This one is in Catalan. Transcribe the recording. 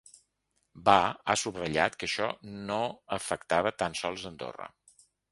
Va ha subratllar que això no afectava tan sols Andorra.